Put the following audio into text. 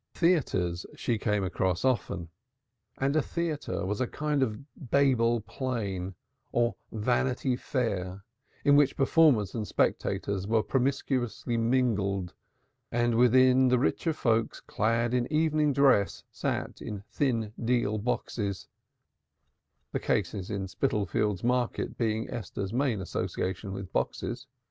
Theatres she came across often, and a theatre was a kind of Babel plain or Vanity Fair in which performers and spectators were promiscuously mingled and wherein the richer folk clad in evening dress sat in thin deal boxes the cases in Spitalfields market being Esther's main association with boxes.